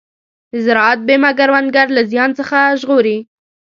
د زراعت بیمه کروندګر له زیان څخه ژغوري.